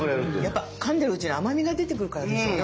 やっぱかんでるうちに甘みが出てくるからでしょうね